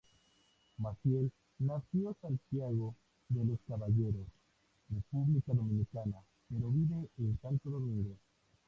Massiel nació Santiago de los Caballeros, República Dominicana, pero vive en Santo Domingo.